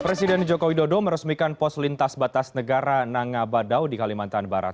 presiden joko widodo meresmikan pos lintas batas negara nangabadao di kalimantan barat